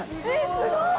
すごい！